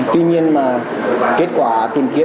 tuy nhiên mà kết quả tìm kiếm